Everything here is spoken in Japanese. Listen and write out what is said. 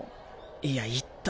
いや言った。